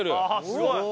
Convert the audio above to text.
すごーい！